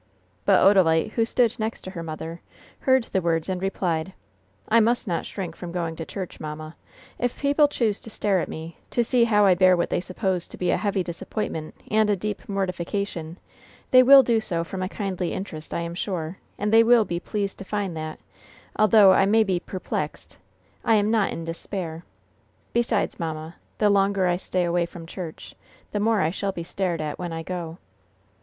But Odalite, who stood next to her mother, heard the words, and replied: "I must not shrink from going to church, mamma. If people choose to stare at me, to see how I bear what they suppose to be a heavy disappointment and a deep mortification, they will do so from a kindly interest, I am sure, and they will be pleased to find that, though I may be 'perplexed,' I am 'not in despair.' Besides, mamma, the longer I stay away from church, the more I shall be stared at when I go."